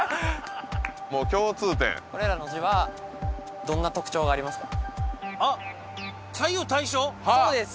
もう共通点これらの字はどんな特徴がありますかあっそうです！